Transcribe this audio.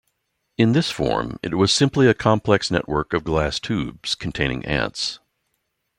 In this form it was simply a complex network of glass tubes, containing ants.